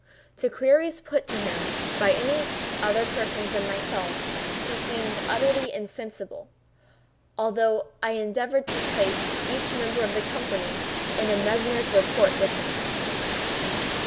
To queries put to him by any other person than myself he seemed utterly insensible—although I endeavored to place each member of the company in mesmeric rapport with him.